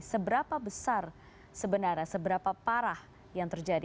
seberapa besar sebenarnya seberapa parah yang terjadi